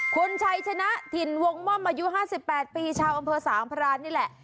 คุณชัยชนะถิ่นวงม่อมอายุ๕๘ปีชาวอำเภอสามพรานนี่แหละ